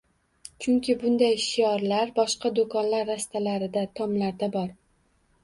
Chunki bunday shiorlar boshqa do‘konlar rastalarida, tomlarda bor